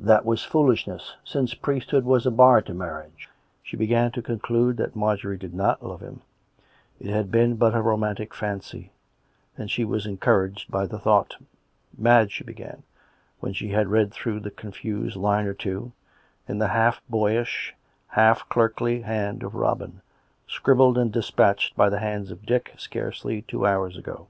That was foolishness; since priest hood was a bar to marriage. She began to conclude that Marjorie did not love him; it had been but a romantic fancy; and she was encouraged by the thought. " Madge," she began, when she had read through the confused line or two, in the half boyish, half clerkly hand of Robin, scribbled and dispatched by the hands of Dick scarcely two hours ago.